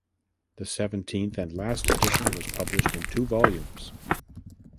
The seventeenth and last edition was published in two volumes.